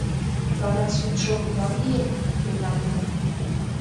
— Вара судшо кунам лийын? — йодам мый.